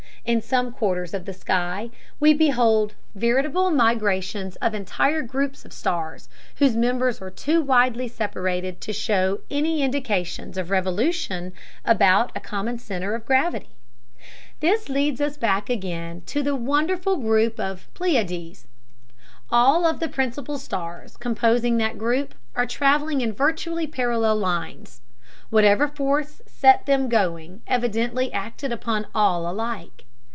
In some quarters of the sky we behold veritable migrations of entire groups of stars whose members are too widely separated to show any indications of revolution about a common center of gravity. This leads us back again to the wonderful group of the Pleiades. All of the principle stars composing that group are traveling in virtually parallel lines. Whatever force set them going evidently acted upon all alike.